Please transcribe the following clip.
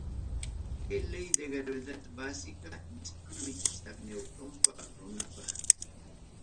Kay ley de gravedad básica nisqam Isaac Newton runapa.